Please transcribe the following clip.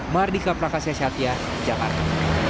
mardika prakasya syatya jakarta